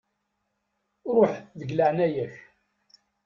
Ruḥ, deg leεnaya-k.